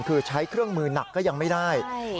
คือใช้เครื่องมือหนักก็ยังไม่ได้